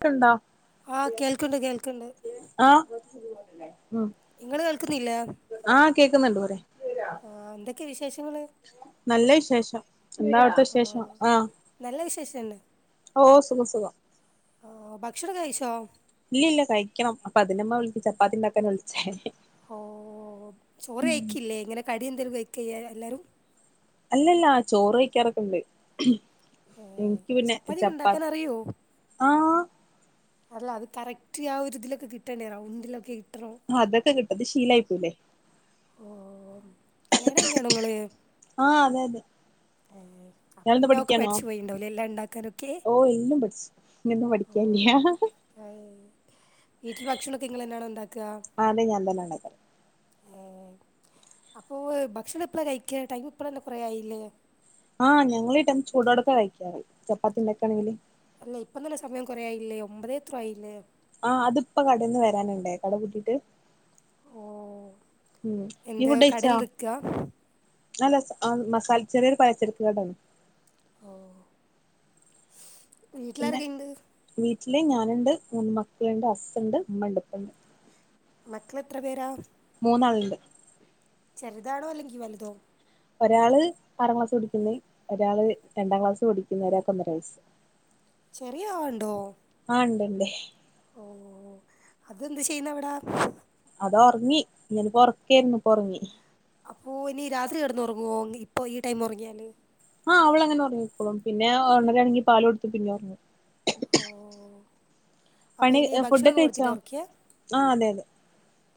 ട്ടുണ്ടോ ആഹ് കേൾക്കണ്ട് കേൾക്കണ്ട് ആ ഇങ്ങള് കേൾക്കുന്നില്ലേ ആഹ് കേക്കുന്നുണ്ട് പറി ആഹ് ന്തൊക്കെ വിശേഷങ്ങള് നല്ല വിശേഷം ന്താ അവിട്ത്തെ വിശേഷം ആഹ് ആ നല്ല വിശേഷംണ്ട് ഓ സുഖം സുഖം ആഹ് ഭക്ഷണൊക്കെ കൈചൊ ഇല്ല ല്ല കഴിക്കണം അപ്പൊ അതിനമ്മ വിളിച് ചപ്പാത്തി ണ്ടാക്കാന വിളിച്ചേ ഓഹ് ചോറ് കഴക്കില്ലേ ങ്ങനെ കടി ന്തേലും കയിക്കെയ്യ ല്ലാരും അല്ലല്ലാ ചോറ് കഴിക്കാറൊക്കെ ണ്ട് ഏഹ് ൻക്ക് പിന്നെ ചപ്പാത്തിയൊക്കെ ചപ്പാത് ഇണ്ടാക്കാനറിയോ ആഹ് അല്ല അത് കറക്റ്റ് ആ ഒരു ത്ലൊക്കെ കിട്ടണ്ടെ റൗണ്ടിലൊക്കെ കിട്ടണം ആതൊക്കെ കിട്ടു ത് ശീലായി പോയില്ലേ ഓ കല്യാണം കൈഞാണോ ങ്ങള് ആഹ് അതെ അതെ ഏ ഇയാളെന്താ പിന്നെ അ ഒക്കെ പഠിക്കാണോ പട്ച്ചു പോയിണ്ടാവുല്ലേ എല്ല ണ്ടാക്കാനൊക്കെ ഓ എല്ലും പട്ച്‌ ഞൊന്നു പടിക്കാൻല്യ ആ വീട്ടിൽ ഭക്ഷണൊക്കെ ഇങ്ങെളെന്നാണ ണ്ടാക്ക ആഹ് അതെ ഞാൻ തന്നെ ഉണ്ടാക്കാറ് ഏ അപ്പോ ഭക്ഷണപ്പളാ കഴിക്ക ടൈം ഇപ്പളെന്നെ കുറ ആയില്ലേ ആഹ് ഞങ്ങളിട്ട ചൂടോടക്കെ കഴിക്യ ചപ്പാത്തിണ്ടാക്കാണെങ്കില് ല്ല ഇപ്പം തന്നെ സമയം കൊറേ ആയില്ലേ ഒമ്പതേ എത്രോ ആയില്ലേ ആഹ് അതിപ്പ കടേന്ന് വരാന്ണട് കട പൂട്ടീട്ട് ഓഹ് നീ എന്ത് ഫുഡ് കടേൽ കഴിച്ചോ നിക്ക അല്ല മസാല ചെറ്യോര് പലചെരക്കകടെ ഓഹ് പിന്നെ വീട്ട്ലാരൊക്കെയിണ്ട് വീട്ടില് ഞാന്ണ്ട് മൂന്ന് മക്കള്ണ്ട് അസ്സ്ണ്ട് മ്മ ണ്ട് പ്പ ണ്ട് മക്കളത്ര പേരാ? മൂന്നാൾണ്ട് ചെറുതാണോ ല്ലെങ്കി വലുതോ ഒരാള് ആറാം ക്ലാസ് പടിക്ക്ന്ന ഒരാള് രണ്ടാം ക്ലാസ് പടിക്ക്ന്ന ഒരാക്ക് ഒന്നര വയസ്സ് [inaudible] ചെറിയ ആൾണ്ടോ ആ ണ്ടണ്ട് ഓ അതെന്ത് ചെയ്യുന്നവിട. അതോർങ്ങി ഞ്പ്പോർക്കെര്ന്നു പ്പൊർങ്ങി. അപ്പോ ഇനി രാത്രി കടന്നോറങ്ങോ ഇപ്പ ഈടൈം ഒർങ്ങിയാല്. ആഹ് അവളങ്ങനെ ഒർങ്ങിക്കോളും പിന്നെ ഒണരാണെങ്കി പാല് കൊടുത്ത് പിന്നി ഒർങ്ങും. ഓഹ് അപ്പം പണി ഇനി ഫുഡൊക്കെ ഭക്ഷണൊക്കെ കഴിച്ചോ കൊടുത്തിട്ടാ ഒറക്കിയേ ആ അതെതെ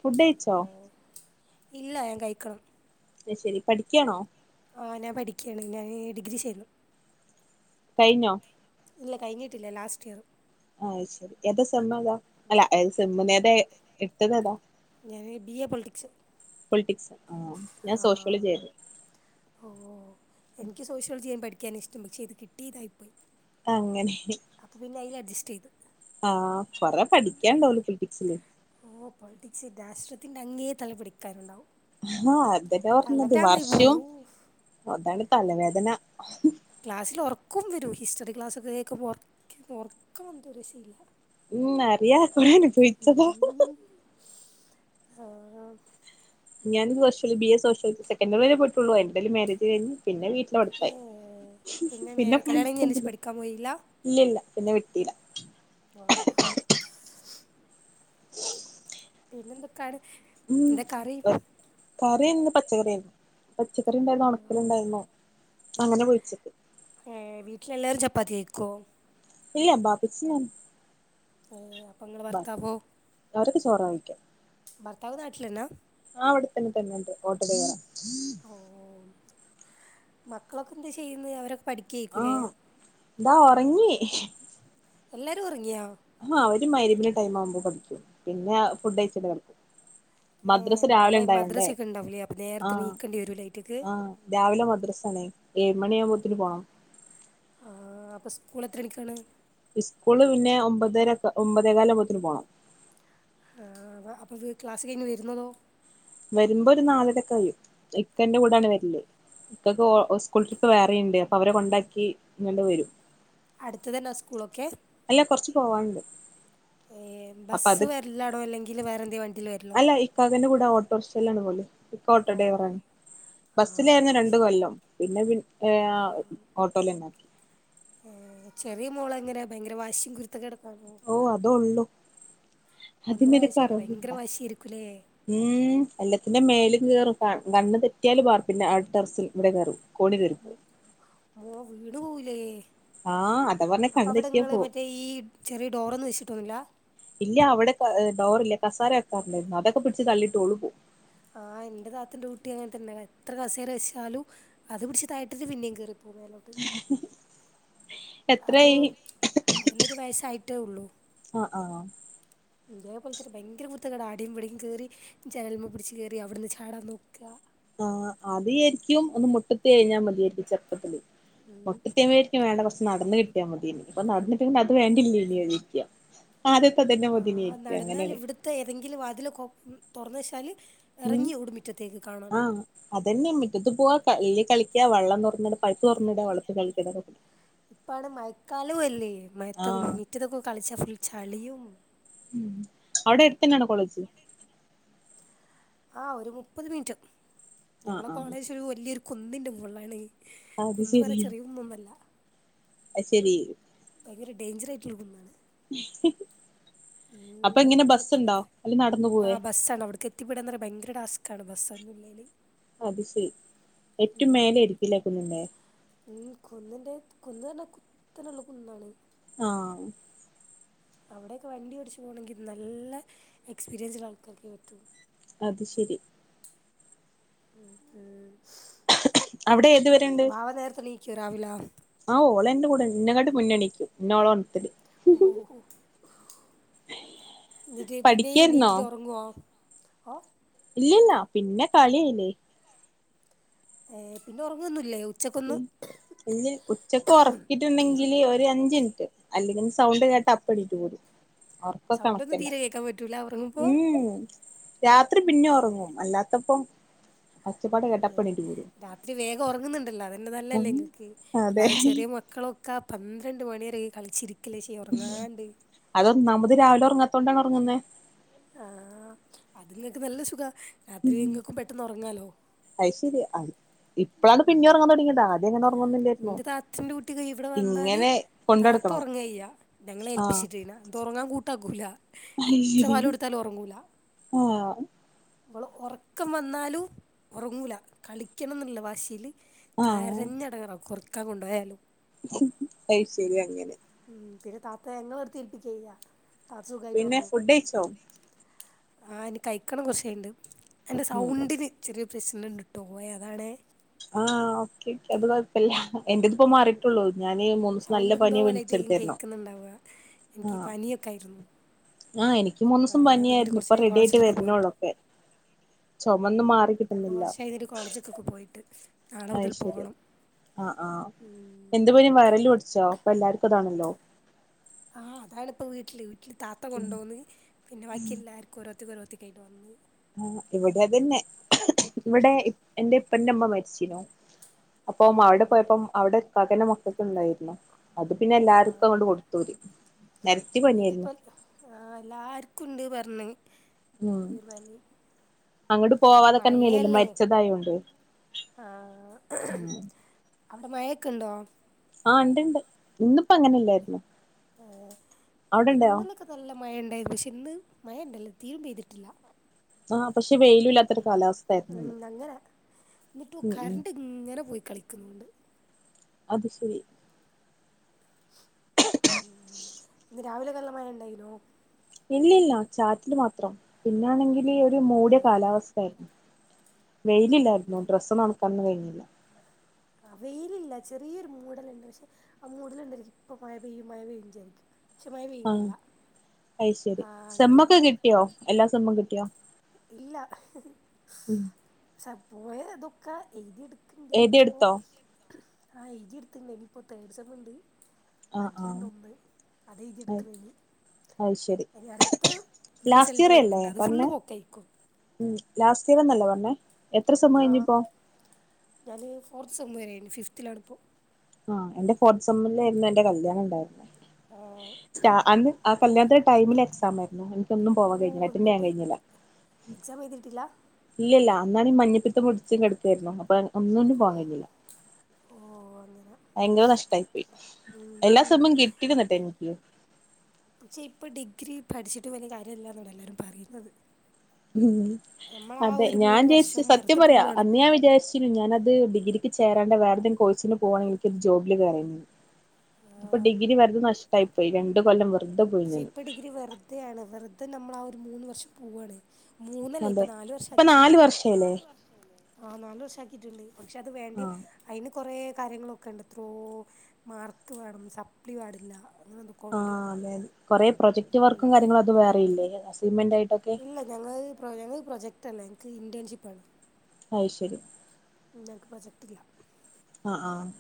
ഫുഡ്ഡയ്ച്ചോ. ഏഹ് ഇല്ല [unintelligible] കഴിക്കണം അത് ശരി പഠിക്കാണോ. ആഹ് ഞാൻ പഠിക്കാണ് ഞാന് ഡിഗ്രി ചെയ്യുന്നു. കഴിഞ്ഞോ. ഇല്ല കഴിഞ്ഞിട്ടില്ല ലാസ്റ്റ് ഇയറ്. ആഹ് ശരി ഏതാ സെമ്മേതാ അല്ല [unintelligible] ഏതാ എട്ത്തതേതാ. ഞാന് ബി എ പൊള്റ്റിക്സ്. പൊള്റ്റിക്സ് ആഹ്. ഞാൻ ആഹ് സോഷ്യോളജി ആയിരുന്നു ഓഹ് എനിക്ക് സോഷ്യോൾജെനു പഠിക്കാൻ ഇഷ്ട്ടം പക്ഷെ ഇത് കിട്ടീതായിപ്പോയി. അങ്ങനേനി അപ്പൊ പിന്നെ അയ്ൽ അഡ്ജസ്റ്റയ്ത്. ആഹ് കൊറെ പഠിക്കാണ്ടാവോലോ പൊളിറ്റിക്സില്. ഓഹ് പൊൾറ്റിക്സ് രാഷ്ട്രത്തിന്റെ അങ്ങേ തല പിടിക്കാനുണ്ടാവും. ഹാ അതന്നെ പറഞ്ഞത് വർഷോം ഓഹ് അതാണ് തലവേദന. ക്ലാസ്സില് ഒറക്കം വരും ഹിസ്റ്ററി ക്ലാസ്സൊക്കെ കേക്കുമ്പോ ഒർക്കെ ഉറക്കം വന്ത് ഒരശീല്ല. ഉം അറിയ [unintelligible] ചോയ്ച്ചതാ. ഉം ആഹ് ഞാന് social B A sociology second year വരെ പോയിട്ടൊള്ളൂ അയിന്റെല് മാരേജ്കഴിഞ്ഞ്. പിന്നെ വീട്ടിലോടത്തായി ഏഹ് പിന്നെ മേ- കല്യാണം കഴിഞ്ഞതിന് ശേഷം പഠിപൊന്നുല്ല. പഠിക്കാൻ പോയില്ല ഇല്ല ഇല്ല പിന്നെ വിട്ടീല്ല. വാഹ് പിന്നെന്തക്കാണ്. ഉം [unintelligible] കറിന്ന് പച്ചക്കറിയര്ന്നു. പച്ചക്കറിണ്ടായിരുന്നു ഒണക്കലണ്ടായിരുന്നു അങ്ങനെ വിൾച്ചത്. ഏഹ് വീട്ടിലെല്ലാരും ചപ്പാത്തി കഴിക്കോ. ഇല്ല ബാപ്പച്ചി [unintelligible] ഏഹ് അപ്പൊങ്ങളെ ഭർത്താവോ അവരൊക്കെ ചോറാ കഴിക്കാ ഭർത്താവ് നാട്ടിലന്നാ. ആഹ് ഇവിട്ത്തന്നെ തന്നെണ്ട് ഓട്ടോഡൈവറാ ഓം മക്കളൊക്കെന്താ ചെയ്യുന്നേ അവരൊ പഠിക്കേക്കൂലേ? താ ഒറങ്ങി. എല്ലാരും ഒറങ്ങിയോ? ആഹ് ഓര് മഗ്‌രിബ്ന്റെ ടൈം ആവുമ്പോ പഠിക്കും പിന്നെ ഫുഡയ്ച്ചിട്ട് കടക്കും. മദ്രസ് എന്നാലേ രാവിലെണ്ടായോണ്ട്. മദ്രസയൊക്കെ ഉണ്ടാവില്ലേ അപ്പം നേരത്തെ ആഹ് എണീക്കേണ്ടി വരുമല്ലേ ലൈറ്റക്ക് ആഹ് രാവിലെ മദ്രസാണ് ഏഴ് മണിയാകുമ്പോത്തിന് പോണം. ആഹ് അപ്പ സ്കൂള് എത്രണിക്കാണ്. ഇസ്കൂള് പിന്നെ ഒമ്പതരക്ക ഒമ്പതേ കാലാവ്മ്പോത്തിന് പോണം. ആഹ് [unintelligible] അപ്പോ വ് ക്ലാസ്സ്‌ കഴിഞ്ഞ് വര്ന്നതോ വരുമ്പോ ഒരു നാലരൊക്കയ്യും ഇക്കന്റെ കൂടേണ് വര്ല്. ഇക്കക്കോ ഉസ്കൂൾ ട്രിപ്പ് വേറിണ്ട്. അപ്പൊ അവരെ കൊണ്ടാക്കി ഇങ്ങടണ്ട് വരും. അടുത്തതന്നാ സ്കൂളൊക്കെ അല്ല കൊറച്ച് പോവാണ്ട് ഏഹ് അപ്പൊ അത് ബസ്സ് വര് എല്ലാടോ അല്ലെങ്കില് വേറെന്തി വണ്ടീല് വര് അല്ല ഇക്കാക്കുന്റെ കൂടെ ഓട്ടോർഷില്ലാണ് പോല്. ഇക്ക ഓട്ടോ ഓ ഡൈവറാണ്. ആ ബസ്സിലായിര്ന്നു രണ്ട് കൊല്ലം. പ്രശ്നം പിന്നെ പി ഏഹ് ഓട്ടോലന്നെ ഏഹ് ചെറിയ മോളങ്ങനെ ഭയങ്കര വാഷിം കുരുത്തക്കേടൊ ഓഹ് അതൊള്ളു. ഒന്നര വയസ്സായിരിക്കും ഭയങ്കര വാശിയിര്ക്കുല്ലേ? ഉം എല്ലത്തിന്റെ മേലും കേറും ക കണ്ണ് തെറ്റിയാല് വാർപ്പിന്റെ ആഹ് ടെറസ് വിടെ കേറും. മു മോ വീണ് പോവൂലേ? ആഹ് അതാ പറഞ്ഞ അപ്പ കണ്ണ് തെറ്റിയാ അവടങ്ങള് പോവും മറ്റേ ഈ ചെറിയ ഡോറൊന്നും വെച്ചിട്ടൊന്നുല്ല? ഇല്ല അവടെ പ്പ ഡോറില്ല കസാര വെക്കാറണ്ടായിരുന്നു അതക്കെ പിടിച്ച് തള്ളിട്ട് ഓളു പോവും. ആഹ് എന്റെ താത്തെന്റെ കുട്ടി അങ്ങൻത്തന്നെ എത്ര കസേരവെച്ചാലും അത് പിടിച്ച് [unintelligible] പിന്നേം കേറിപ്പോകും മേലോട്ട്. [inaudible] അതോ അതിനൊരു വയസ്സായിട്ടേ ഉള്ളൂ. ആഹ് ആഹ് ഇതേ പോൽത്തന്നെ ഭയങ്കര കുരുത്തേക്കേടാ ആടെ ഇവടെം കേറി ജനൽമേ പിടിച്ച് കേറി അവിട്ന്ന് ചാടാൻ നോക്കാ. ആഹ് ആദ്യം വിയാരിക്കും ഒന്ന് മുട്ടത്തി എയഞ്ഞാൽ മതിയായിരിക്കും ചെർപ്പത്തില്. ഉം മുട്ടത്തി [unintelligible] നി വേണ്ട കൊർച്ച് നടന്ന് കിട്ടിയാ മതിന്ന് ഇനി പ്പം നടന്ന്ട്ട് അത് വേണ്ടില്ലേന്നിരിക്ക. ആദ്യത്ത തന്നെ മതിന്നെരിക്ക അങ്ങനെയാണ്. ത്തെ ഏതെങ്കിലും വാതിലൊക്കെ തുറന്ന് വെച്ചാല് ഉം ഇറങ്ങി ഓടും മിറ്റത്തേക്ക് കാണാണ്ട് ആഹ് അതന്നെ മിറ്റത്ത് പോവാ കല്ല് കളിക്കാ വള്ളം തുറന്നെടാ പൈപ്പ് തൊറന്ന്ടാ വള്ളത്ത് കളിക്കാ ഇതെന്നെ പണി. ഇപ്പാണ് മഴക്കാലോ അല്ലേ മഴത്തൊക്കെ ആഹ് മിറ്റത്തൊക്കെ കളിച്ചാ ഫുൾ ചളിയും ഉം അഒടെടുത്തന്നാണോ കോളേജ്? ആഹ് ഒരു മുപ്പത് മിനിറ്റാവും ആഹ് ഞങ്ങളെ ആഹ് കോളേജ് ഒരു വല്യരു കുന്നിൻ്റെ മുകളാണ്. അത് ശരി ഐ ശരി ഭയങ്കര ഡേയ്ഞ്ചർ ആയിട്ട്ള്ള ഒരു കുന്നാണ്. അപ്പ ഉം എങ്ങനെ അതിൻ്റെ ഉള്ളിൽ എത്തി ബസ്സുണ്ടോ അല്ല നടന്ന് പോവേ? ആഹ് ബസ്സാണ് അവിട്ക്ക് എത്തിപ്പെടാന്നറ്യ ഭയങ്കര ടാസ്ക്കാണ് ബസ്സൊന്നുല്ലേല്. അത് ശരി ഏറ്റവും മേലെരിക്കും ലെ കുന്ന്മ്മേ? ഉം കുന്നിൻ്റെ കുന്ന് ർഞ്ഞാ കുത്തനെള്ള കുന്നാണ്. ആഹ് അവടക്കെ വണ്ടി ഓടിച്ച് പോണെങ്കിൽ നല്ല എക്സ്പീരിയൻസിള്ളെ ആൾക്കാർക്കേ പറ്റൂള്ളൂ. അത് ശരി ഉം ഉം അവിടെ ഏതുവരെ ഉണ്ട് വാവ നേരത്തെണി ക്കോ രാവില ആഹ് ഓളെന്റെ കൂടെ ഇന്നെങ്ങാട്ടീ മുന്നെണീക്കും ഇന്നോളാ ഒൺത്തല്. ഓഹ് ഓഹ് ഓഹ് ങ്ങട്ട് പിന്നെ പഠിക്കായിരുന്നോ എണീറ്റിട്ട് ഒറങ്ങോ? ഓഹ് ഇല്ലല്ലാ പിന്നെ കളിയായിലെ. ഏഹ് പിന്നെ ഒറങ്ങൊന്നുല്ലെ? ഉ ഉം ഇല്ല ഉച്ചക്ക് ഒറക്കിട്ടുണ്ടെങ്കില് ഒരു അഞ്ച്ൻട്ട്. അല്ലെങ്കിൽ സൗണ്ട് കേട്ടാ അപ്പണീട്ട് വരും. ഒക്കെ സൗണ്ടൊന്നും കണക്കെന്നെ തീരെ കേൾക്കാൻ പറ്റൂല ഉറങ്ങുമ്പോൾ ഉം രാത്രി പിന്നെ ഒറങ്ങും അല്ലാത്തപ്പം ഒച്ചപ്പാട് കേട്ടാ ഉം അപ്പണീറ്റ് കൂടും രാത്രി വേഗം ഒറങ്ങുന്നുണ്ടല്ലോ അതന്നെ നല്ലല്ലേ ഇങ്ങക്ക് അതെ അല്ലാതെ ചെറിയ മ മക്കളൊക്കെ പന്ത്രണ്ട് മണിയെരെ കളിച്ചിരിക്കല്ലേ ചെയ്യാ ഒറങ്ങാണ്ട്. അത് ഒന്നാമത് രാവിലെ ഒറങ്ങാത്തോണ്ടാ ഒറങ്ങുന്നേ. ആഹ് അത്ങ്ങക്ക് നല്ല സുഖാ രാത്രി ഇങ്ങക്കും പെട്ടെന്ന് ഒറങ്ങാലോ. അഹ് ശെരി ആണ് ഇപ്പളാണ് പിന്നെ ഒറങ്ങാൻ തുടങ്ങിയത് ആദ്യം ഇങ്ങനെ ഒറങ്ങോന്നില്ലെരുന്നു ഇന്റെ താത്തന്റെ കുട്ടിയൊക്കെ ഇവിടെ വന്നാല് ഇങ്ങനെ താത്ത കൊണ്ടടക്കണം ഉറങ്ങെയ്യാ ഞങ്ങളെ ആഹ് ഏൽപ്പിച്ചിട്ട് അത് ഉറങ്ങാൻ കൂട്ടാക്കൂല അത് എത്ര ശരി പാലൊടു ത്താലും ഉറങ്ങൂല ആഹ് അവള് ഉറക്കം വന്നാലും ഉറങ്ങൂല കളിക്കണംന്നുള്ള വാശില് ആഹ് കരഞ്ഞെടങ്ങാറാക്കും ഒറക്കാൻ കൊണ്ടോയാലും ഐശെരി അങ്ങനെ ഉം പിന്നെ താത്ത ഞങ്ങളെടുത്തേൽപിക്കാ ചെയ്യാ താത്ത സുഖായിട്ട് പിന്നെ ഒറങ്ങും ഫുഡ് കഴിച്ചോ ആഹ് നി കഴിക്കണം കുറച്ചുണ്ട് അൻ്റെ ഉം സൗണ്ടിന് ചെറിയ പ്രശ്നംണ്ട്ട്ട് പോയ അതാണ ആഹ് ഓക്കെ ഓക്കെ അത് കൊഴപ്പല്ല എന്ന്ന്റെ ഇതിപ്പോ മാറിട്ട് ഞാന് മൂന്ന് ദിസം നല്ല സൗണ്ട് എന്തോ പനിയ പോലായിട്ടായിരിക്കും വിടിച്ചെടുത്തരുന്നു കേൾക്കുന്നുണ്ടാവുക എനിക്ക് ആഹ് പനിയൊക്കെ ആയിരുന്നു ആഹ് എനിക്ക് മൂന്ന് ആ ദിസം ഞാൻ ഇപ്പോ ഇതില് പനിയായിരുന്നു ഇപ്പൊ കുറച്ചായി റെഡി ആയിട്ട് കോളേജിലൊക്കെ പോയിട്ട് വരുന്നള്ളൊക്കെ ചുമൊന്നും ഉം മാറ കിട്ടുന്നില്ല [unintelligible] ഒരു കോളജ് അക്കൊക്കെ പോയിട്ട് നാളെ അ മുതൽ ശരിയ പോണം ആ ആഹ ഉം എന്ത് പരും വയറല് പഠിച്ചോ അപ്പൊ എല്ലാവർക്കും അതാണല്ലോ ആഹ് അതാണ്പ്പോ വീട്ടില് വീട്ടില് താത്ത കൊണ്ടപോന്ന് പിന്നെ ബാക്കി എല്ലാർക്കും കൊറോത്തി കൊറോത്തിക്കയിട്ട് വന്നന്ന് ആ ഇവിടെ തന്നെ ഇവിടെ എന്റെ ഇപ്പന്റെ അമ്മ മരിച്ചനോ അപ്പം അവിടെ ഓഹ് പോയപ്പം അവിടെ കകന്റെ മക്കക്കെ ഉണ്ടായിരുന്ന അത് പിന്നെ എല്ലാർക്കും അണ്ട് ആഹ് കൊടുത്ത പോര നിരത്തി പനിയായിരുന്നു ആഹഹ് എല്ലാർക്കുണ്ട് പർഞ് ഉം പനി അങ്ങോട്ട് പോവാതൊക്കെ അനങ്ങല്ലല്ലോ മഴയല്ലേ മരിച്ചതായൊണ്ട് ആഹ് അവിടെ മഴയൊക്കെ ഉണ്ടോ ആഹ് ഉണ്ട് ഇണ്ട് ഇന്നിപ്പോ അങ്ങനെ ഇല്ലായിരുന്നു ഇവിടെന്നലൊക്കെ നല്ല മഴ ഇണ്ടായത് പക്ഷെ ഇന്ന് മഴ ഉണ്ടല്ലോ തീരും പെയ്തിട്ടില്ല ആഹ് പക്ഷെ വെയിലും ഇല്ലാത്തരു കാലാവസ്ഥ ആയിരുന്നു ഉം ന്ന് അങ്ങനെ എന്നിട്ട് ഉം കറണ്ട് ഇങ്ങനെ പോയി കളിക്കുന്നുണ്ട് അത് ശരി ഇന്ന് രാവിലെ നല്ല മഴ ഉണ്ടായിനോ ഇല്ലല്ല ചാറ്റിൽ മാത്രം പിന്നാണെങ്കിൽ ഒരു മൂടിയ കാലാവസ്ഥ ആയിരുന്നു വെയിലില്ലായിരുന്നു ഉം ഡ്രസ്സ് ഒൺക്കാന് കഴിഞ്ഞില്ല ആ വെയിലില്ല ചെറിയൊരു മൂടലുണ്ട് പക്ഷെ ആ മൂടിലുണ്ടായിരിക്കും ഇപ്പ മ പെയ്യുമായ പെയഞ്ചായിരിക്കും പക്ഷെ മ പെയഞ്ഞില്ല അയ്ശരി സെമ്മൊക്കെ കിട്ടിയോ എല്ലാ സെമ്മ കിട്ടിയോ ഇല്ല ഉം പെ പോയ ദൊക്കാ എഴുതിയ എടുക്ക ണ്ട് ഇനിയിപ്പോ എഴുതിയെടുത്തോ? ആഹ് എതി എടുത്തണ്ട് ഇനിയിപ്പോ തേർഡ് സമുണ്ട് ആഹ് അഡലിണ്ട ആഹ് ഒന്ന് അത്ഴുതിയ അയ് എടുക്കുന്നൽ അയ് ശരി. എനി അടുത്ത ലാസ്റ്റ് റിസൾട്ട് വരുന്നുണ്ട് അത് ഫുള്ള് പോക്കയിക്കും ഉ ലാസ് ദീവന്നല്ല പറഞ്ഞെ ആ ഞാൻ ഫോർത്ത് സമംരായിരുന്നു ഫിഫ്ത്തിലാണിപ്പോൾ ആഹ് എന്റെ ഫോർത്ത് സമ്മിലായിരുന്നു എന്റെ കല്യാണം ഏഹ് ഉണ്ടായിരുന്നറ്റ അന്ന് ആ കല്യാണന്റെ ടൈമിൽ എക്സാം ആയിരുന്നു ഒന്നും പോവാൻ ഓഹ് കഴിഞ്ഞില്ലറ്റന്ന ചെയ്യാൻ എന്നിട്ട് കഴിഞ്ഞില്ല എക്സാം എഴുതിയിട്ടില്ല ഇല്ല ഇല്ല അന്നാണ് ഈ മഞ്ഞപ്പിത്തം മുടിച്ചും കെടുക്കുായിരുന്നു അപ്പൊ ഒന്നുകണ്ടും പോവാൻ കഴിഞ്ഞില്ല ഓ അങ്ങനെ ഭയങ്കര നഷ്ടായി പോയി ഉം എല്ല സാ ഉം മ്മ കെട്ടിയിട്ടന്നിട്ടെ എനിക്ക് പക്ഷേ ഇപ്പൊ ഡിഗ്രി പഠിച്ചിട്ട് വലിയ കാര്യംല്ലാന്നാണ് എല്ലാരും പറയുന്നത് ഉം നമ്മള് ആ അതെ ഒരു ഞാൻ മൂന്ന് ചയിച്ചിച്ച വർഷം സത്യം വെറുതെ പറയാ പോവാണെന്ന് അന്ന്ഞാൻ വിചാരിച്ച ഞാനത് ഡിഗ്രിക്ക് ചേണ്ട വേറെഏതങ്ക കോയ്സിന് പോവാണെങ്ക എനിക്ക ജോബില് കയറേനു ഇതിപ്പോ ആഹ് ഡിഗ്രി വരത് നഷ്ടമായിപ്പോയി രണ്ട കൊല്ലം വറ പക്ഷെ ഇപ്പ ഡിഗ്രി വെർതെയാണ്. വെർതെ നമ്മളാ ഒരു മൂന്ന് വർഷം പോവ്വാണ് മൂന്നല്ല, ഇപ്പൊ അതെ നാല് ഇപ്പൊ നാല് വർഷാക്കിട്ടില്ലേ. പ്പ വർഷായില്ലേ നാലു വർഷ് - ആഹ്‌ നല് വർഷാക്കിട്ടുണ്ട് പക്ഷെ അത് വേണ്ടി ആഹ് അയ്ന് കൊറെ കാര്യങ്ങളൊക്കെ ഉണ്ട് എത്രോ മാർക്ക് വേണം സപ്ലി പാടില്ല അങ്ങനെന്തൊ ആഹ്‌ അതെ. കൊറെ പ്രൊജക്ട് വർക്കും കാര്യങ്ങളും അത് വേറെയില്ലേ അസൻമെന്റ് ആയിട്ടൊ ഇല്ല. ഞങ്ങൾ ഞങ്ങക്ക്‌ പ്രൊജക്ട്ല്ല ഞങ്ങക്ക് ഇന്റേൺഷിപ്പ് ആണ് അയ് ശരി ഉം ഞങ് ക്ക് പ്രൊജക്ട് ഇല്ല ആഹ് ആഹ്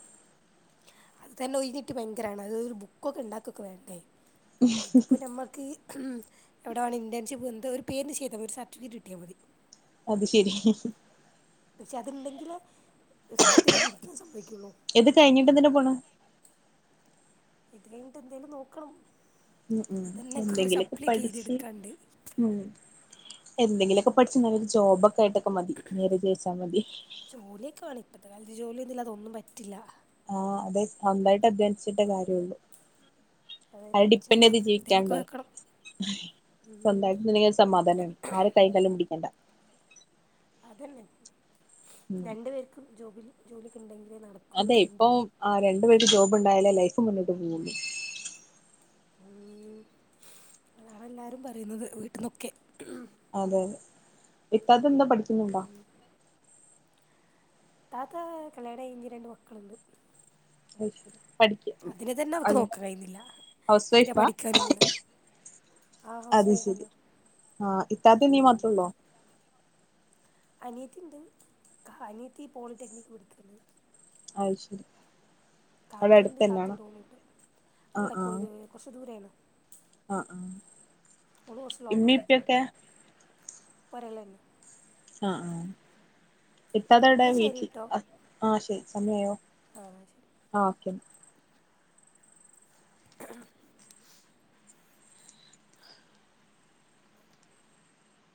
അത് തന്നെ ഒഴിഞ്ഞിട്ട് ഭയങ്കരാണ്. അത് ഒരു ബുക്കൊക്കെ ണ്ടാക്കൊക്കെ വേണ്ടേ ഇത്പ്പോ നമ്മക്ക് എവിടാണ് ഇന്റേൺഷിപ്പ് എന്ത ഒരു പേരിന് ചെയ്താ മതി. ഒരു സർട്ടിഫിക്കറ്റ് കിട്ടിയാ മതി അത് ശരി പക്ഷെ അത്ണ്ടെങ്കിലേ ഫിഫ്ത്തിലേക്ക് ഇരിക്കാൻ സമ്മയ്ക്കുള്ളൂ ഇത് കഴിഞ്ഞിട്ട് എന്തിനാ പോണ് ഇത് കഴിഞ്ഞിട്ട് എന്തേലും നോക്കണം ഉം ഉം ഇതന്നെ കുറേ എന്തെങ്കിലൊക്കെ സപ്ലിയൊക്കെ പഠിച്ച് എഴുതിയെടുക്കാണ്ട് ഉം എന്തെങ്കിലൊക്കെ ഉം പഠിച്ച് നല്ലൊരു ജോബൊക്കെ ആയിട്ടൊക്കെ മതി മാര്യേജ് കഴിച്ചാൽ മതി ജോലിയൊക്കെ വേണം, ഇപ്പത്തെ കാലത്ത് ജോലിയൊന്നും ഇല്ലാതെ ഒന്നും പറ്റില്ല ആഹ് അതെ സ്വന്തായിട്ട് അധ്വാനിച്ചിട്ടേ കാര്യള്ളു അതന്നെ ആരേം ഇൻഷാ ഡിപ്പെൻ്റ് അള്ളാ ചെയ്ത് എന്തേലൊക്കെ ജീവിക്കാണ്ടേ ആക്കണം ഉം സൊന്തായിട്ട് ണ്ടെങ്കിൽ സമാധാനാണ് ആരേം കയ്യും കാലും പിടിക്കണ്ട അതന്നെ, ഉം രണ്ടു പേർക്കും ജോബി ജോലിയൊക്കെണ്ടെങ്കിലെ നട അതെ ഇപ്പൊ ആ രണ്ടു പേർക്ക് ജോബ് ഉണ്ടായാലേ ലൈഫ് മുന്നോട്ട് പോകുള്ളു ഉം.. അതാണെല്ലാരും പറയുന്നത്. വീട്ട്ന്നൊക്കെ അതെ ഇത്താത്തന്താ പഠിക്കുന്നുണ്ടോ ഉം താത്ത കല്യാണം കഴിഞ്ഞ് രണ്ട് മക്കള്ണ്ട് പഠിക്ക തന്നെ അവക്ക് അല്ല നോക്കാൻ കഴിയുന്നില്ല ഹൗസ് എന്തിനാ വൈഫാ പഠിക്കാനും കൂടെ ആ ഹൗസ് അത് വൈഫ് ശരി തന്നെ ആഹ് ഇത്താത്തിം നീ ഉം മാത്രൊള്ളോ അനിയത്തിണ്ട്. അനിയത്തി പോളിടെക്നിക്ക് പടിക്കാണ് അയ്ശരി അവിടെ കാക്കയുണ്ട് അടുത്തന്നെയാണോ കാക്കന്റെ ഓളുണ്ട്. അല്ല ആഹ് ആഹ് കൊയ് കൊർച്ചു ദൂരേണ് ആഹ് ആഹ് ഓള് കൊർച്ച് ലോങ്ങ ഇമ്മീം പഠിക്കുന്നെ, ഇപ്പിയൊക്കെ പെരേലെന്നെ ആഹ് ആഹ് ഇത്താത്തെവിടെ എന്നാ ശരി വീട്ടിൽ ആഹ് ശരി സമയായോ ആഹ് ശരി ആഹ് ഓക്കെ